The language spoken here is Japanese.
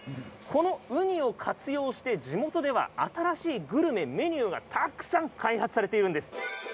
このウニを活用して地元では新しいグルメ、メニューがたくさん開発されているんです。